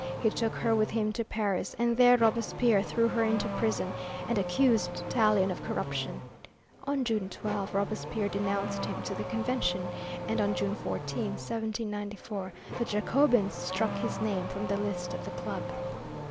He took her with him to Paris, and there Robespierre threw her into prison, and accused Tallien of corruption. On June 12 Robespierre denounced him to the Convention, and on June 14, 1794, the Jacobins struck his name from the list of the club.